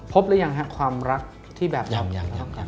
พบหรือยังค่ะความรักที่แบบนี้